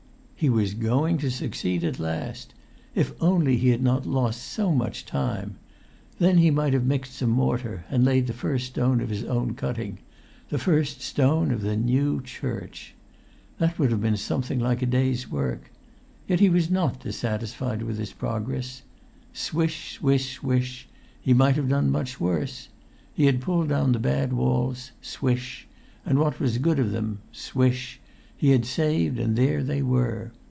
He was going to succeed at last! If only he had not lost so much time! Then he might have mixed some mortar and laid the first stone of his own cutting—the first stone of the new church! That would have been something like a day's work; yet he was not dissatisfied with his progress. Swish, swish, swish; he might have done much worse. He had pulled down the bad walls—swish—and what was good of them—swish—he had saved and there they were.